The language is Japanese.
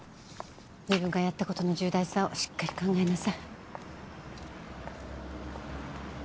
自分がやったことの重大さをしっかり考えなさい。